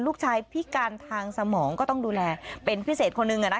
พิการทางสมองก็ต้องดูแลเป็นพิเศษคนหนึ่ง